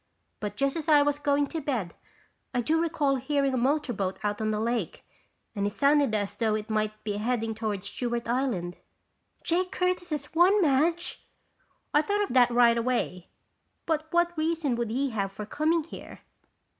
But just as I was going to bed, I do recall hearing a motor boat out on the lake and it sounded as though it might be heading toward Stewart Island." "Jake Curtis has one, Madge!" "I thought of that right away but what reason would he have for coming here?"